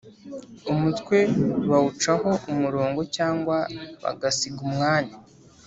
umutwe bawucaho umurongo cyangwa bagasiga umwanya